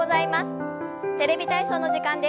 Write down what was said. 「テレビ体操」の時間です。